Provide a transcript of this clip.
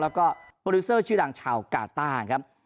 แล้วก็โปรดิวเซอร์ชื่อดังชาวกาต้าครับ